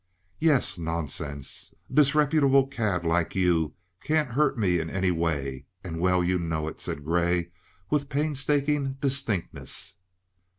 "Yes, nonsense. A disreputable cad like you can't hurt me in any way, and well you know it," said Grey with painstaking distinctness.